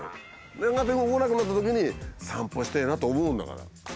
やがて動かなくなったときに散歩してえなと思うんだから。